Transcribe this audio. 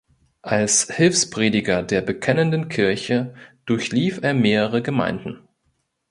Als Hilfsprediger der Bekennenden Kirche durchlief er mehrere Gemeinden.